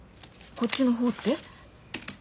こっちの方って？